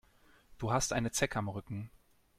Du hast eine Zecke am Rücken.